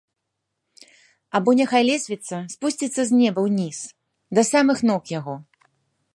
Або няхай лесвіца спусціцца з неба ўніз да самых ног яго.